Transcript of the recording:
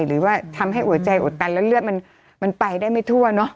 หรือว่าทำให้หัวใจอุดตันแล้วเลือดมันไปได้ไม่ทั่วเนอะ